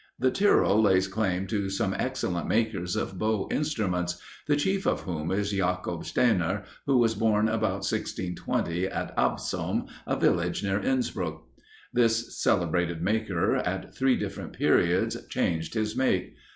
The Tyrol lays claim to some excellent makers of bow instruments, the chief of whom is Jacob Stainer, who was born about 1620, at Absom, a village near Inspruck. This celebrated maker, at three different periods, changed his make.